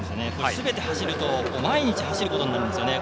すべて走ると毎日走ることになるんですよね。